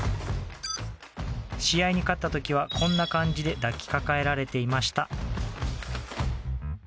試合に勝った時は、こんな感じで抱きかかえられていました。